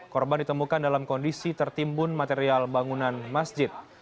korban ditemukan dalam kondisi tertimbun material bangunan masjid